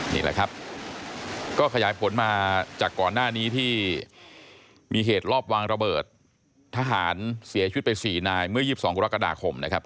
นี่แหละครับก็ขยายผลมาจากก่อนหน้านี้ที่มีเหตุรอบวางระเบิดทหารเสียชีวิตไป๔นายเมื่อ๒๒กรกฎาคมนะครับ